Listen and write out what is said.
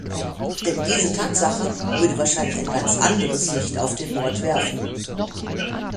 Denn diese Tatsache würde wahrscheinlich ein ganz anderes Licht auf den Mord werfen.